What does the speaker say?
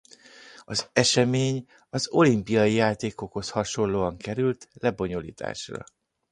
Az esemény az Olimpiai játékokhoz hasonlóan került lebonyolításra.